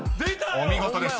［お見事です。